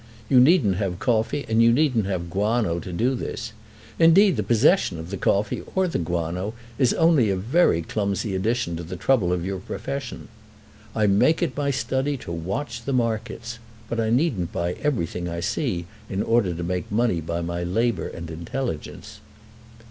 You needn't have coffee and you needn't have guano to do this. Indeed the possession of the coffee or the guano is only a very clumsy addition to the trouble of your profession. I make it my study to watch the markets; but I needn't buy everything I see in order to make money by my labour and intelligence."